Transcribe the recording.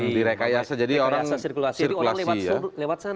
direkayasa jadi orang sirkulasi ya